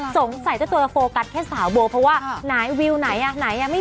สงสัยว่าตัวนักโฟกัสแค่สาวโบว์เพราะว่าไหนวิวไหนไม่มี